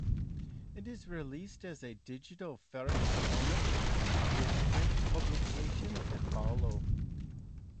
It is released as a digital-first comic with print publication to follow.